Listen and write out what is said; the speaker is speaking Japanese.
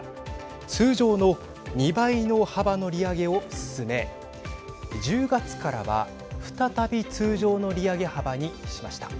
通常の２倍の幅の利上げを進め１０月からは再び通常の利上げ幅にしました。